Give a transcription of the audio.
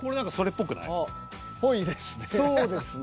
ぽいですね。